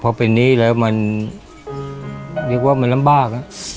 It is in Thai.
พอเป็นหนี้แล้วมันเรียกว่ามันลำบาก